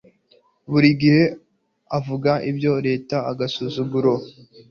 Buri gihe avuga ibya leta agasuzuguro.